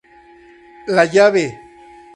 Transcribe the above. La llave.